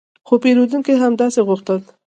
خو پیرودونکي همداسې غوښتل